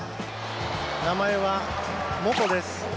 名前はモコです。